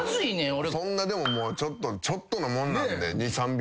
そんなでももうちょっとのもんなんで２３秒の。